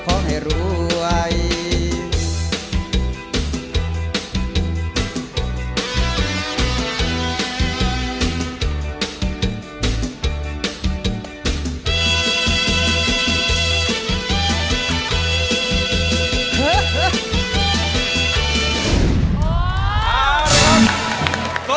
ขอให้รวยขอให้รวย